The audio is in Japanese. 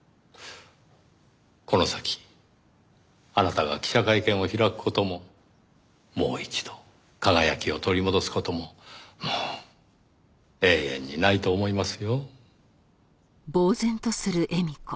この先あなたが記者会見を開く事ももう一度輝きを取り戻す事ももう永遠にないと思いますよ。